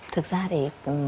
thực ra để